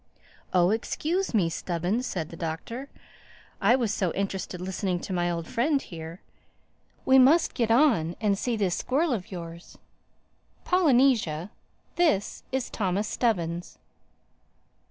"Oh excuse me, Stubbins!" said the Doctor. "I was so interested listening to my old friend here. We must get on and see this squirrel of yours—Polynesia, this is Thomas Stubbins."